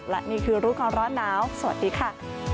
และนี่คือรู้ก่อนร้อนหนาวสวัสดีค่ะ